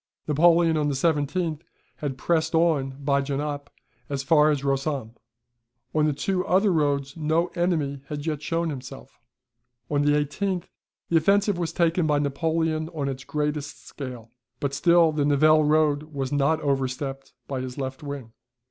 Napoleon on the 17th had pressed on by Genappe as far as Rossomme. On the two other roads no enemy had yet shown himself. On the 18th the offensive was taken by Napoleon on its greatest scale, but still the Nivelles road was not overstepped by his left wing.